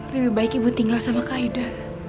lebih baik ibu tinggal sama kak aida